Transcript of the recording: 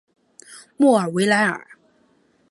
莫尔维莱尔。